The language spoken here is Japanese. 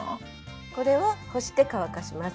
これを干して乾かします。